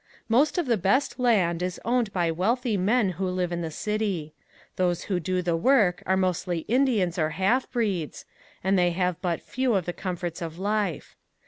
Most of the best land is owned by wealthy men who live in the city. Those who do the work are mostly Indians or half breeds, and they have but few of the comforts of life.